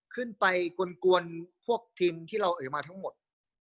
ขึ้นไปกวนพวกทีมที่เราเอ่ยมาทั้งหมด